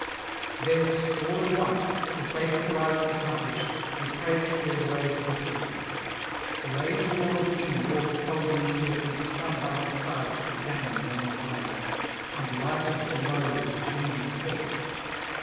Thence all at once, the sacred rites accomplished, retrace their way to the city. The age worn King walked holding Aeneas and his son by his side for companions on his way, and lightened the road with changing talk.